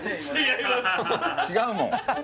違うもん